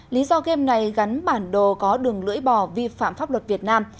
lý do game này gắn bản đồ có đường lưỡi bò vi phạm pháp luật việt nam